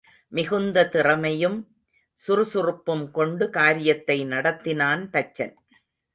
மிகுந்த திறமையும் சுறுசுறுப்பும் கொண்டு காரியத்தை நடத்தினான் தச்சன்.